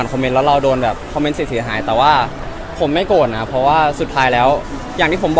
แต่ว่าผมไม่โกนสุดท้ายเราฟังไม่สามารถบังคับความคิดใครได้สิ